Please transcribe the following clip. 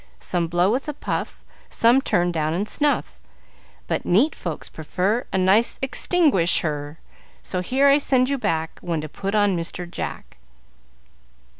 Some blow with a puff, Some turn down and snuff; But neat folks prefer A nice extinguis_her_. So here I send you back One to put on Mr. Jack."